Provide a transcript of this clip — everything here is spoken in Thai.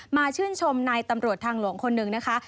ชื่นชมนายตำรวจทางหลวงคนหนึ่งนะคะ